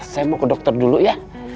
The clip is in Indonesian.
saya mau ke dokter dulu ya